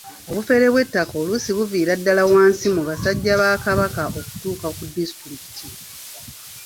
Obufere bw'ettaka oluusi buviira ddala wansi mu basajja ba Kabaka okutuuka ku disitulikiti.